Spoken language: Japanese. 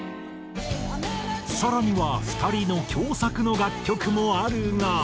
更には２人の共作の楽曲もあるが。